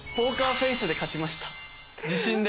自信で！